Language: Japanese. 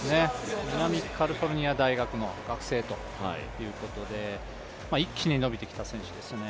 南カルフォルニア大学の学生ということで一気に伸びてきた選手ですね。